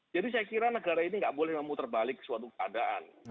jadi saya kira negara ini tidak boleh memutar balik ke suatu keadaan